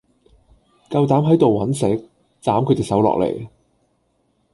夠膽喺度搵食？斬佢隻手落嚟！